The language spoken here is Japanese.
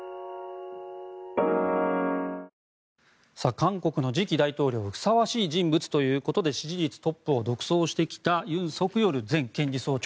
韓国の次期大統領にふさわしい人物ということで支持率トップを独走してきたユン・ソクヨル前検事総長。